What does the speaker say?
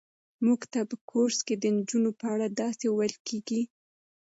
موږ ته په کورس کې د نجونو په اړه داسې ویل کېږي.